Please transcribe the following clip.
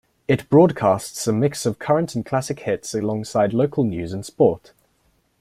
It broadcasts a mix of current and classic hits alongside local news and sport.